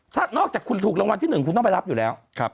ถ้านอกจากคุณถูกรางวัลที่๑คุณต้องไปรับอยู่แล้ว